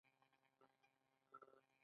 ثبات نه لرو، تنها قهر او چاپلوسي لرو.